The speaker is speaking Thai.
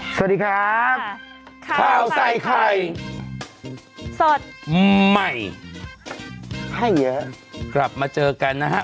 สวัสดีครับข้าวใส่ไข่สดใหม่ให้เยอะกลับมาเจอกันนะฮะ